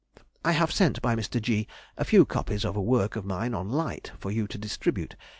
I have sent by Mr. G. a few copies of a work of mine on Light, for you to distribute.